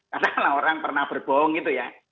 kadang kadang orang pernah berbohong gitu ya